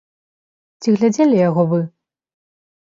Ці глядзелі яго вы?